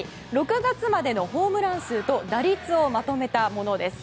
６月までのホームラン数と打率をまとめたものです。